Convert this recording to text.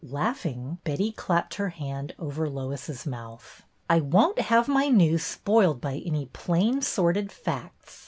Laughing, Betty clapped her hand over Lois's mouth. " I won't have my news spoiled by any plain, sordid facts.